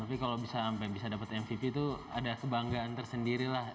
tapi kalau bisa sampai bisa dapat mvp itu ada kebanggaan tersendiri lah